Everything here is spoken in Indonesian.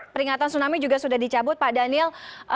peringatan tsunami juga sudah dicabut pak daniel